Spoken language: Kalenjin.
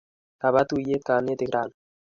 Kaba tuyet kanetik rani